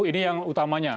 ini yang utamanya